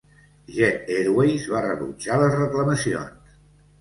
Jet Airways va rebutjar les reclamacions.